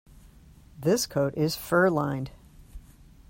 This coat is fur-lined.